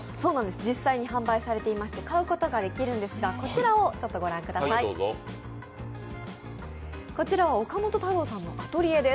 実際に販売されていまして、買うことができるんですがこちらは岡本太郎さんのアトリエです。